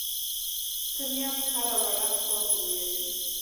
ښه نیت هره وړه کار لویوي.